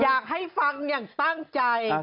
อยากให้ฟังอย่างตั้งใจ